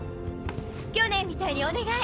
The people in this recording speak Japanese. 去年みたいにお願い！